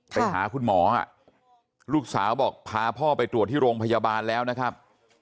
ไปหาคุณหมอลูกสาวบอกพาพ่อไปตรวจที่โรงพยาบาลแล้วนะครับ